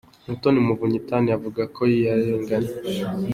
Umutoni Muvunyi Tania avuga ko yarenganye.